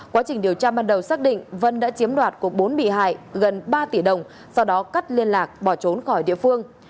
quá trình điều tra ban đầu xác định vân đã chiếm đoạt của bốn bị hại gần ba tỷ đồng sau đó cắt liên lạc bỏ trốn khỏi địa phương